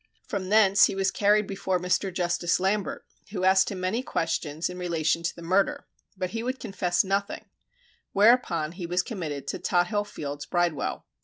From thence he was carried before Mr. Justice Lambert, who asked him many questions in relation to the murder; but he would confess nothing, whereupon he was committed to Tothill Fields Bridewell.